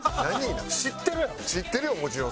知ってるよもちろん。